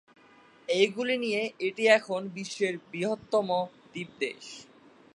এইগুলি নিয়ে এটি এখন বিশ্বের বৃহত্তম দ্বীপ দেশ।